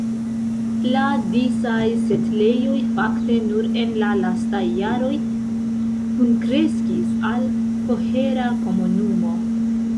La disaj setlejoj fakte nur en la lastaj jaroj kunkreskis al kohera komunumo.